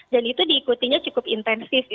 dan itu diikutinya cukup intensif